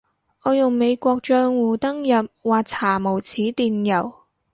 我用美國帳戶登入話查無此電郵